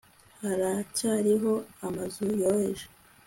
haracyariho amazu yoroheje